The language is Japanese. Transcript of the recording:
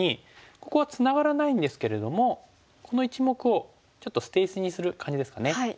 ここはツナがらないんですけれどもこの１目をちょっと捨て石にする感じですかね。